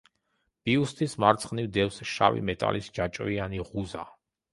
ბიუსტის მარცხნივ დევს შავი მეტალის ჯაჭვიანი ღუზა.